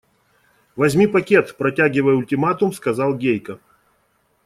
– Возьми пакет, – протягивая ультиматум, сказал Гейка.